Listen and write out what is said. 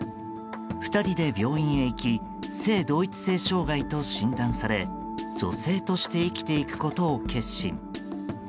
２人で病院へ行き性同一性障害と診断され女性として生きていくことを決心。